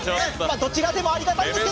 どちらでもありがたいけど。